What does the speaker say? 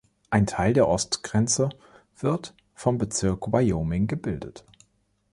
Ein Teil der Ostgrenze wird vom Bezirk Wyoming gebildet.